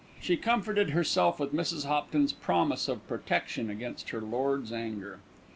She comforted herself with Mrs. Hopton's promise of protection against her lord's anger.